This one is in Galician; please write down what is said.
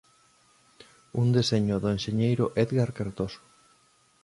Un deseño do enxeñeiro Edgar Cardoso.